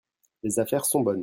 Les affaires sont bonnes.